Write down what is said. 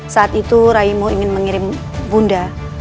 saat itu raimo ingin mengirim bunda